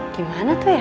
gimana tuh ya